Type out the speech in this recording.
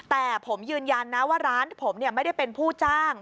แต่ผมยืนยันนะว่าร้านผมไม่ได้เป็นผู้จ้าง